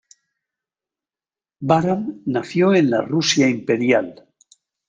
Baran nació en la Rusia Imperial.